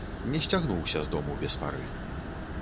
Не сцягнуўся з дому без пары.